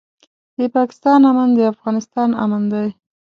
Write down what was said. د پاکستان امن د افغانستان امن دی.